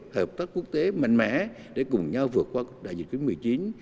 hợp tác quốc tế mạnh mẽ để cùng nhau vượt qua đại dịch covid một mươi chín